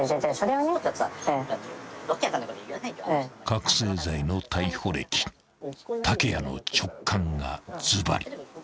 ［覚醒剤の逮捕歴竹谷の直感がずばり！］